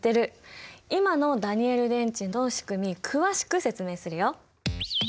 今のダニエル電池のしくみ詳しく説明するよ。